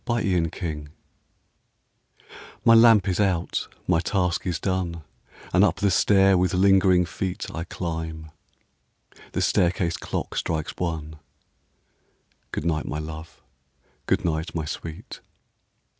A LATE GOOD NIGHT My lamp is out, my task is done, And up the stair with lingering feet I climb. The staircase clock strikes one. Good night, my love! good night, my sweet!